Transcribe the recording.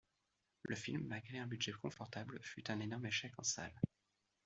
Le film, malgré un budget confortable, fut un énorme échec en salle.